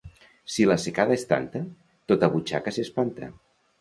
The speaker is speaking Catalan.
Si la secada és tanta, tota butxaca s'espanta.